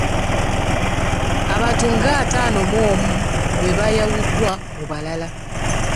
Abantu nga ataano mu omu be bayawuddwa mu balala.